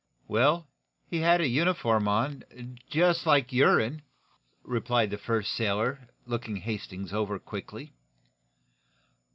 "Well, he had a uniform on, just like your'n, replied the first sailor, looking Hal Hastings over quickly.